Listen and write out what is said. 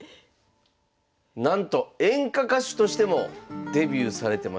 なんと演歌歌手としてもデビューされてました。